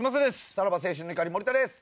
さらば青春の光森田です。